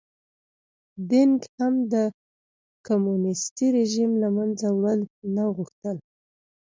دینګ هم د کمونېستي رژیم له منځه وړل نه غوښتل.